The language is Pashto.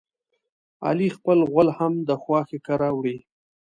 علي خپل غول هم د خواښې کره وړي.